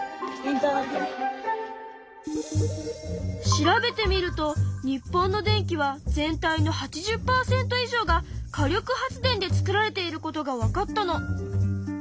調べてみると日本の電気は全体の８０％以上が火力発電で作られていることがわかったの。